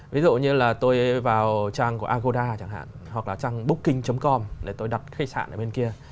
ví dụ như là tôi vào trang của agoda chẳng hạn hoặc là trang booking com để tôi đặt khách sạn ở bên kia